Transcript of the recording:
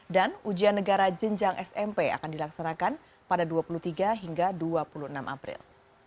dan ujian negara jenjang smp akan dilaksanakan pada dua puluh tiga hingga dua puluh enam april